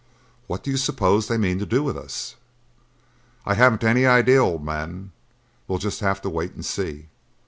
What do you suppose they mean to do with us?" "I haven't any idea, old man. We'll just have to wait and see.